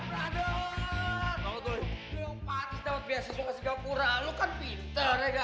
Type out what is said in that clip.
lu yang patis dapat beasiswa di singapura lu kan pinter ya